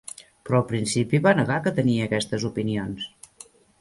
Però al principi va negar que tenia aquestes opinions.